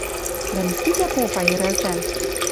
Дӓ Микитӓ попа йӹрӓлтӓл: